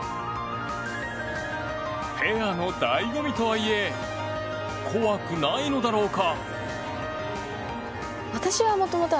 ペアの醍醐味とはいえ怖くないのだろうか。